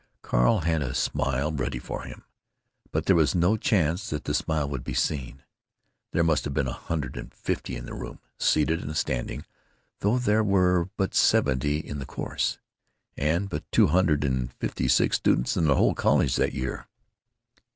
Carl had a smile ready for him. But there was no chance that the smile would be seen. There must have been a hundred and fifty in the room, seated and standing, though there were but seventy in the course, and but two hundred and fifty six students in the whole college that year.